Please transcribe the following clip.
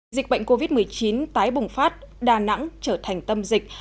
dịch bệnh covid một mươi chín tái bùng phát đà nẵng trở thành tâm dịch